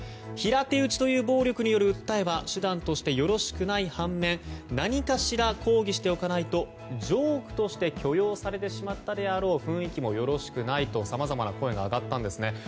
平手打ちという暴力による訴えは手段としてよろしくない反面何かしら抗議しておかないとジョークとして許容されてしまったであろう雰囲気もよろしくないと、さまざまな声が上がったんですね。